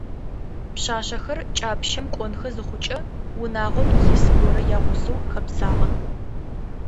Пшъашъэхэр кӏапщэм кӏонхэ зыхъукӏэ, унагъом ис горэ ягъусэу хэбзагъэ.